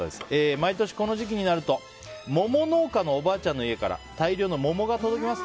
毎年この時期になると桃農家のおばあちゃんの家から大量の桃が届きます。